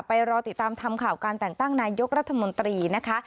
รอติดตามทำข่าวการแต่งตั้งนายกรัฐมนตรีนะคะ